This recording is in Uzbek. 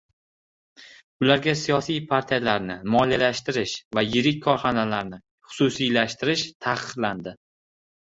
Ularga siyosiy partiyalarni moliyalashtirish va yirik korxonalarni xususiylashtirish taqiqlandi